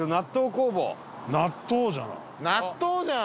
富澤：納豆じゃん。